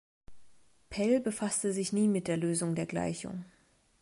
Pell befasste sich nie mit der Lösung der Gleichung.